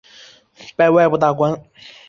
拜外部大官。